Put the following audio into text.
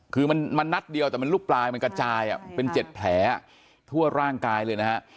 คือมันเนี่ยมันนัดเดียวแต่มันลูกปลายเกิดจ่ายเป็น๗แผลทั่วร่างกายเลยนะฮะ